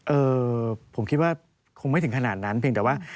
เอ่อผมคิดว่าคงไม่ถึงขนาดนั้นเพียงแต่ว่า